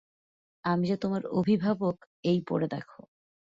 আমি যে তোমার অভিভাবক — এই পড়ে দেখো।